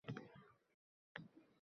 Boʻydoqlik davrimni eslagim keldi